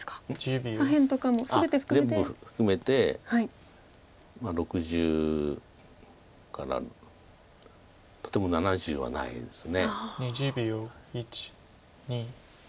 全部含めて６０からとても７０はないです。